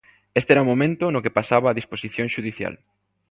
Este era o momento no que pasaba a disposición xudicial.